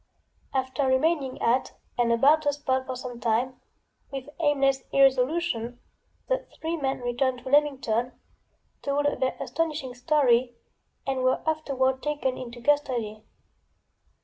After remaining at and about the spot for some time, with aimless irresolution, the three men returned to Leamington, told their astonishing story and were afterward taken into custody.